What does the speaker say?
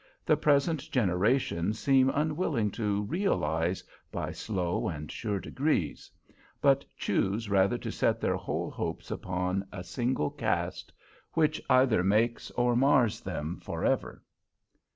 The present generation seem unwilling to "realize" by slow and sure degrees; but choose rather to set their whole hopes upon a single cast, which either makes or mars them forever!